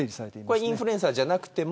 これ、インフルエンサーじゃなくても。